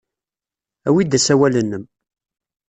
Awi-d asawal-nnem.